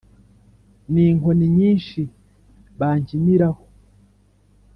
n'inkoni nyinshi bankiniraho